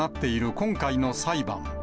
今回の裁判。